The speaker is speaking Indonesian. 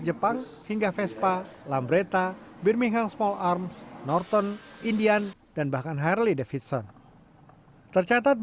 jepang hingga vespa lambreta birminghang small arms norton indian dan bahkan harley davidson tercatat